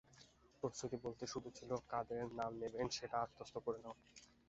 প্রস্তুতি বলতে শুধু ছিল কাদের নাম নেবেন সেটা আত্মস্থ করে নেওয়া।